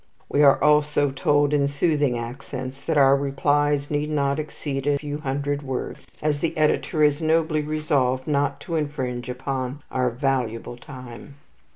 We are also told in soothing accents that our replies need not exceed a few hundred words, as the editor is nobly resolved not to infringe upon our valuable time.